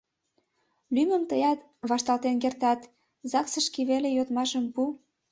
Лӱмым тыят вашталтен кертат, загсышке веле йодмашым пу...